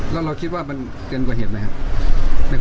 แล้วเราคิดว่ามันเกินกว่าเหตุไหมครับ